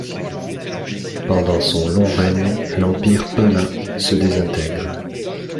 Pendant son long règne, l’empire Pala se désintègre.